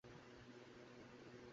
তিনি দক্ষিণ আফ্রিকাতে কাটিয়েছেন।